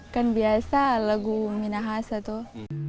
kan biasa lagu minahasa tuh